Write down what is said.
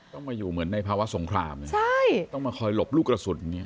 ต้องมาอยู่เหมือนในภาวะสงครามต้องมาคอยหลบลูกกระสุน